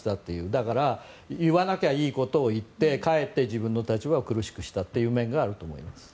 だから、言わなきゃいいことを言ってかえって自分の立場を苦しくしたという面があると思います。